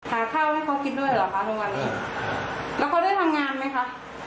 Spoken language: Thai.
หาข้าวให้เขากินด้วยเหรอคะทุกวันนี้แล้วเขาได้ทำงานไหมคะ